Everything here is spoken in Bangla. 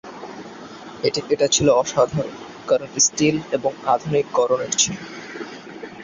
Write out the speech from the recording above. এটা ছিল অসাধারণ কারণ স্টিল এবং আধুনিক গড়নের ছিল।